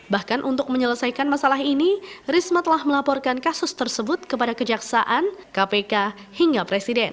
bahkan untuk menyelesaikan masalah ini risma telah melaporkan kasus tersebut kepada kejaksaan kpk hingga presiden